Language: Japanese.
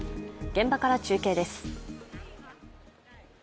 現場から中継です。